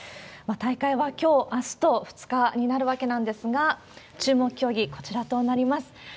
大会はきょう、あすと２日になるわけなんですが、注目競技、こちらとなります。